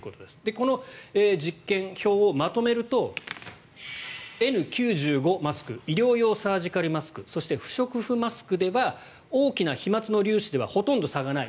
この実験、表をまとめるとＮ９５マスク医療用サージカルマスクそして不織布マスクでは大きな飛まつ粒子ではほとんど差がない。